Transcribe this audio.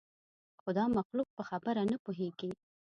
خو دا مخلوق په خبره نه پوهېږي.